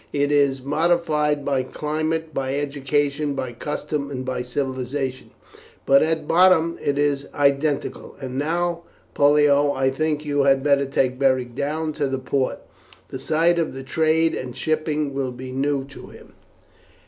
It is modified by climate, by education, by custom, and by civilization, but at bottom it is identical. And now, Pollio, I think you had better take Beric down to the port, the sight of the trade and shipping will be new to him."